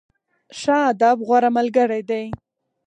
ښه ادب، غوره ملګری دی.